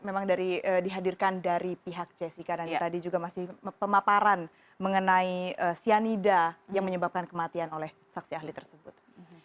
memang dari dihadirkan dari pihak jessica dan tadi juga masih pemaparan mengenai cyanida yang menyebabkan kematian oleh saksi ahli tersebut